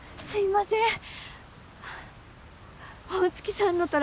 すいません。